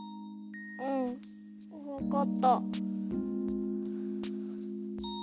うんわかった。